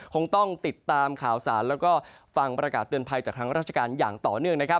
คงต้องติดตามข่าวสารแล้วก็ฟังประกาศเตือนภัยจากทางราชการอย่างต่อเนื่องนะครับ